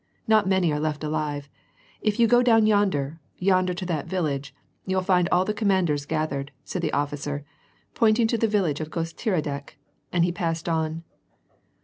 Not many are left alive. If you go down yon der, yonder to that village, you'll find all the commanders gath ered," said this officer, pointing to the village of Gostieradeck, and he passed on.